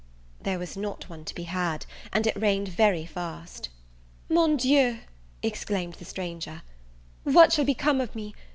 There was not one to be had, and it rained very fast. "Mon Dieu!" exclaimed the stranger, "what shall become of me?